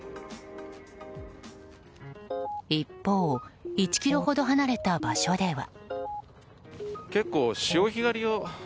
一方、１ｋｍほど離れた場所では。